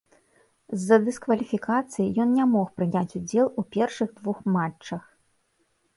З-за дыскваліфікацыі ён не мог прыняць удзел у першых двух матчах.